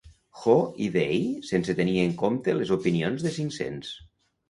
Ho idei sense tenir en compte les opinions de cinc-cents.